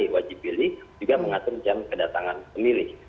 jadi wajib pilih juga mengatur jam kedatangan pemilih